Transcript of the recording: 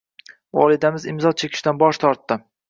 Volidamiz imzo chekishdan bosh tortdi.